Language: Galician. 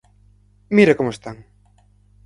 Mira como están!